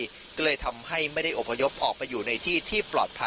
ก็เลยทำให้ไม่ได้อพยพออกไปอยู่ในที่ที่ปลอดภัย